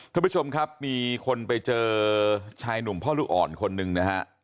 ท่านผู้ชมครับมีคนไปเจอชายหนุ่มพ่อลูกอ่อนคนหนึ่งนะฮะ